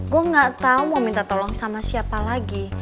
gue gak tau mau minta tolong sama siapa lagi